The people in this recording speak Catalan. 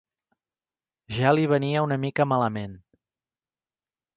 Ja li venia una mica malament